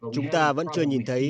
chúng ta vẫn chưa nhìn thấy đáy của nó